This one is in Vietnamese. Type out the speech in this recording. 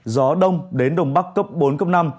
gió đông đến đông bắc cấp bốn cấp năm